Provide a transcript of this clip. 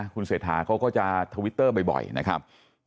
คุณเศรษฐาเขาก็จะทวิตเตอร์บ่อยนะครับ